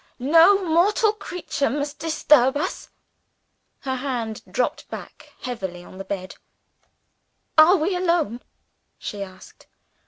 No mortal creature must disturb us." Her hand dropped back heavily on the bed. "Are we alone?" she asked.